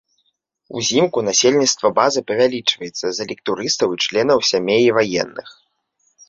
Узімку насельніцтва базы павялічваецца за лік турыстаў і членаў сямей ваенных.